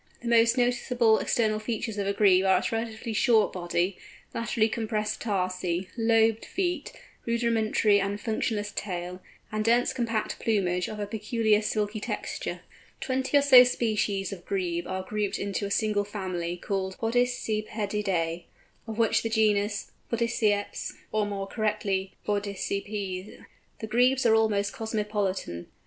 The most noticeable external features of a Grebe are its relatively short body, laterally compressed tarsi, lobed feet, rudimentary and functionless tail, and dense compact plumage of a peculiar silky texture. The twenty or so species of Grebes are grouped into a single family, called Podicipedidæ, of which the genus Podiceps (or more correctly Podicipes) contains the greater number. The Grebes are almost cosmopolitan.